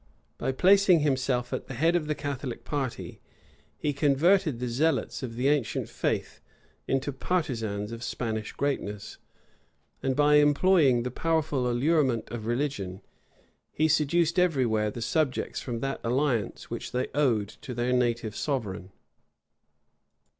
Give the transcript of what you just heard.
By placing himself at the head of the Catholic party, he converted the zealots of the ancient faith into partisans of Spanish greatness; and by employing the powerful allurement of religion, he seduced every where the subjects from that allegiance which they owed to their native sovereign.